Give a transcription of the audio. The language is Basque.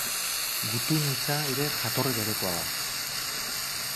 Gutun hitza ere jatorri berekoa da.